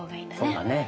そうだね。